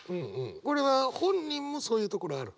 これは本人もそういうところある？